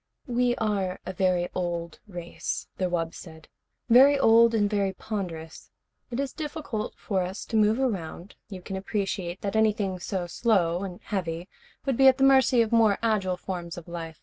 "We are a very old race," the wub said. "Very old and very ponderous. It is difficult for us to move around. You can appreciate that anything so slow and heavy would be at the mercy of more agile forms of life.